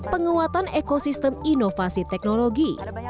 penguatan ekosistem inovasi teknologi